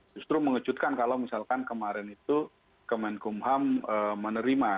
justru mengejutkan kalau misalkan kemarin itu kemenkum ham menerima